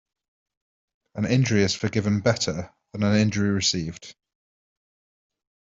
An injury is forgiven better than an injury revenged.